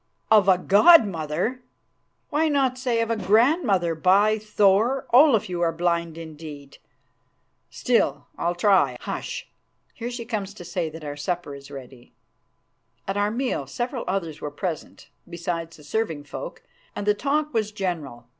"Of a god mother! Why not say of a grandmother? By Thor! Olaf, you are blind indeed. Still, I'll try. Hush! here she comes to say that our supper is ready." At our meal several others were present, besides the serving folk, and the talk was general.